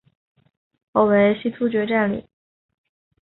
后为西突厥占据。